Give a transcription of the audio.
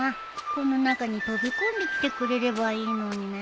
この中に飛び込んできてくれればいいのにね。